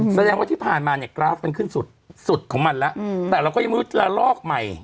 แสดงว่าที่ผ่านมาเนี่ยกราฟมันขึ้นสุดสุดของมันแล้วแต่เราก็ยังไม่รู้ละลอกใหม่